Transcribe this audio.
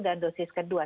dan dosis kedua